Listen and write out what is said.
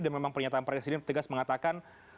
dan memang pernyataan presiden tegas mengatakan